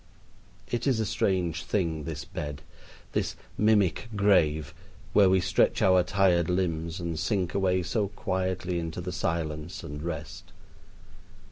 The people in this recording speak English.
It is a strange thing this bed, this mimic grave, where we stretch our tired limbs and sink away so quietly into the silence and rest.